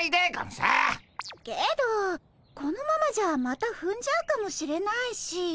けどこのままじゃまたふんじゃうかもしれないし。